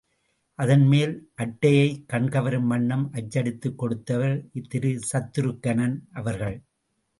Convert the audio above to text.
அதன்மேல் அட்டையை கண் கவரும் வண்ணம் அச்சடித்துக் கொடுத்தவர் திரு சத்ருக்கனன் அவர்கள்.